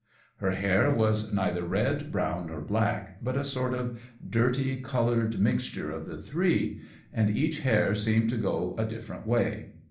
Her hair was neither red, brown, nor black, but a sort of dirty coloured mixture of the three, and each hair seemed to go a different way.